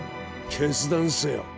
決断せよ。